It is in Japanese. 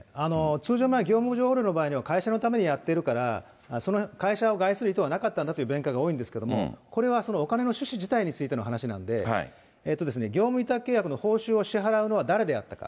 通常、業務上横領の場合は会社のためにやってるから、その会社を害する意図はなかったんだという弁解が多かったんですけれども、これはそのお金の趣旨自体についての話なんで、業務委託契約の報酬を支払うのは誰であったか。